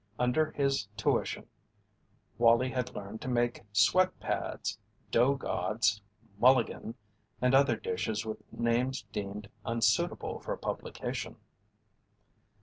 Under his tuition Wallie had learned to make "sweat pads," "dough gods," "mulligan," and other dishes with names deemed unsuitable for publication.